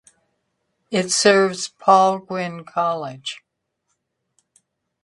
It serves Paul Quinn College.